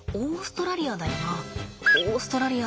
オーストラリア